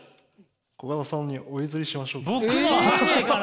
コカドさんにお譲りしましょうか？